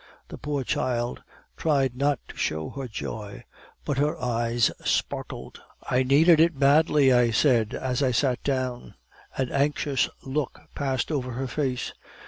The poor child tried not to show her joy, but her eyes sparkled. "'I needed it badly,' I said as I sat down. (An anxious look passed over her face.)